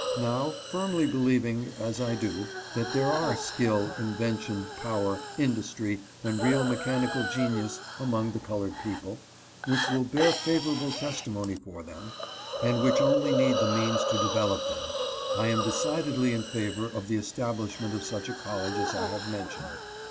Now, firmly believing, as I do, that there are skill, invention, power, industry, and real mechanical genius among the colored people, which will bear favorable testimony for them, and which only need the means to develop them, I am decidedly in favor of the establishment of such a college as I have mentioned.